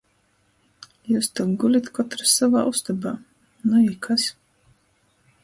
Jius tok gulit kotrs sovā ustobā! Nu i kas?